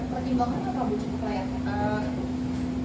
pertimbangkannya apa cukup layak